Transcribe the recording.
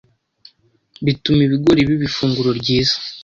bituma ibigori biba ifunguro ryiza